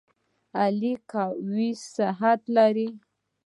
علي قوي صحت لري.